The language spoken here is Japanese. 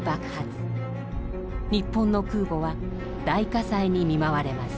日本の空母は大火災に見舞われます。